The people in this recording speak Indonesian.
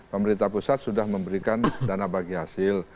pemerintah pusat sudah memberikan dana bagi hasil